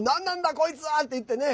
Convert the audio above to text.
こいつは！っていってね